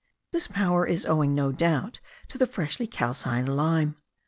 This power is owing, no doubt, to the freshly calcined lime.